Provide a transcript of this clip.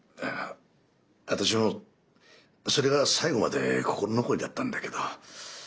私もそれが最後まで心残りだったんだけど。